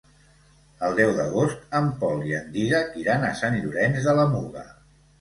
El deu d'agost en Pol i en Dídac iran a Sant Llorenç de la Muga.